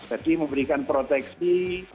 jadi memberikan proteksi